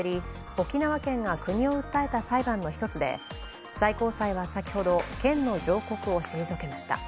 沖縄県が国を訴えた裁判の１つで最高裁は先ほど、県の上告を退けました。